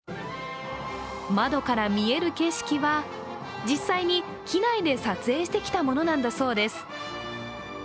窓から見える景色は実際に機内で撮影してきたものなんだそうです。